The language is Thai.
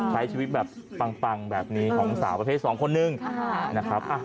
ใช้ชีวิตแบบปังแบบนี้ของสาวประเภทสองคนนึงนะครับ